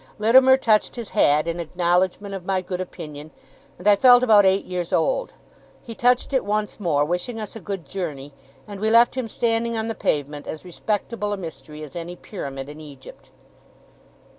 Littimer touched his hat in acknowledgement of my good opinion, and I felt about eight years old. He touched it once more, wishing us a good journey; and we left him standing on the pavement, as respectable a mystery as any pyramid in Egypt.